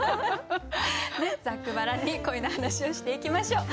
ざっくばらんに恋の話をしていきましょう。